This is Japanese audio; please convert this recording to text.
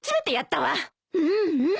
うんうん。